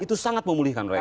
itu sangat memulihkan mereka